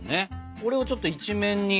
これをちょっと一面に。